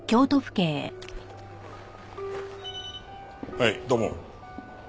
はい土門。